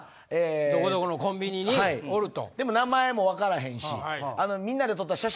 どこどこのコンビニにおると。